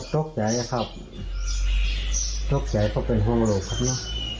ตกใจอะครับตกใจเพราะเป็นห่วงลูกครับเนอะ